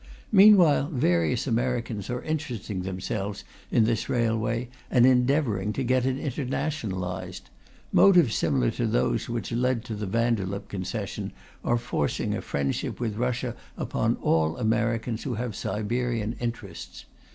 Meanwhile, various Americans are interesting themselves in this railway and endeavouring to get it internationalized. Motives similar to those which led to the Vanderlip concession are forcing friendship with Russia upon all Americans who have Siberian interests.